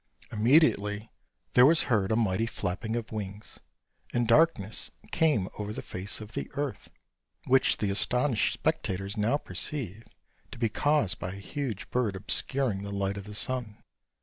Immediately, there was heard a mighty flapping of wings, and darkness came over the face of the earth, which the astonished spectators now perceived to be caused by a huge bird obscuring the light of the sun.